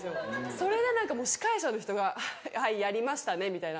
それで何か司会者の人が「はいやりましたね」みたいな。